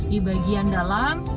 di bagian dalam